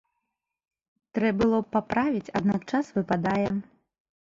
Трэ было б паправіць, аднак час выпадае.